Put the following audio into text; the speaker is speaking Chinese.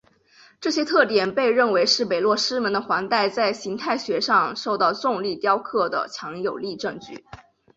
这些特点被认为是北落师门的环带在形态学上受到重力雕刻的强有力证据。